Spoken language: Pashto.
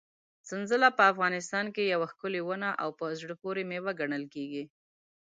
سنځله په افغانستان کې یوه ښکلې ونه او په زړه پورې مېوه ګڼل کېږي.